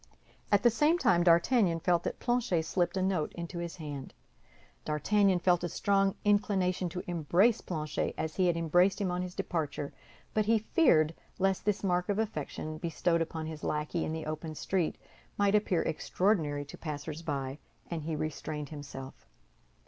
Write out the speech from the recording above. At the same time D'Artagnan felt that Planchet slipped a note into his hand. D'Artagnan felt a strong inclination to embrace Planchet as he had embraced him on his departure; but he feared lest this mark of affection, bestowed upon his lackey in the open street, might appear extraordinary to passers by, and he restrained himself.